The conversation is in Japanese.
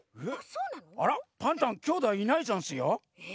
あらっパンタンきょうだいいないざんすよ。